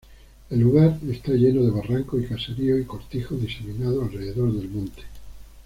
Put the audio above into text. El lugar está lleno de barrancos y caseríos y cortijos diseminados alrededor del monte.